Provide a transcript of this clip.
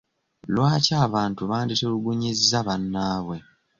Lwaki abantu banditulugunyizza bannaabwe?